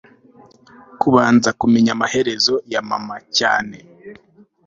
kubanza kumenya amaherezo ya mama cyane